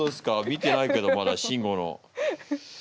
見てないけどまだシンゴの。